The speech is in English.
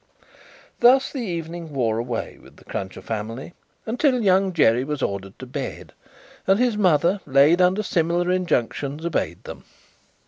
Thus the evening wore away with the Cruncher family, until Young Jerry was ordered to bed, and his mother, laid under similar injunctions, obeyed them.